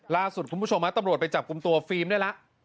ล่าสุดคุณผู้ชมตำรวจไปจับกลุ่มตัวฟิล์มได้แล้ว